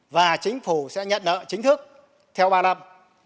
và chính phủ sẽ nhận nợ chính thức theo ba năm